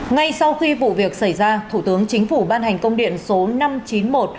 ngay sau khi vụ việc xảy ra thủ tướng chính phủ ban hành công điện số năm trăm chín mươi một